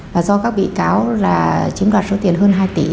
và do các bị cáo là chiếm đoạt số tiền hơn hai tỷ